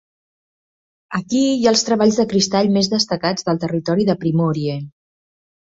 Aquí hi ha els treballs de cristall més destacats del territori de Primórie.